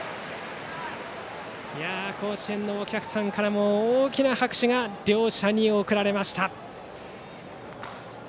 甲子園のお客さんからも大きな拍手が両者に送られました。